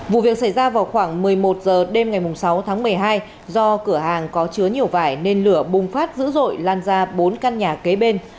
vụ việc xảy ra vào khoảng một mươi một h đêm ngày sáu tháng một mươi hai do cửa hàng có chứa nhiều vải nên lửa bùng phát dữ dội lan ra bốn căn nhà kế bên